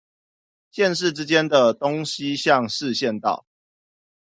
縣市之間的東西向市縣道